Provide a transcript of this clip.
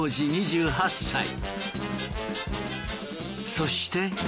そして。